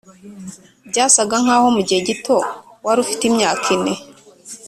byasaga nkaho mugihe gito wari ufite imyaka ine,